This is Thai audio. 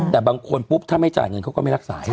แต่บางคนปุ๊บถ้าไม่จ่ายเงินเขาก็ไม่รักษา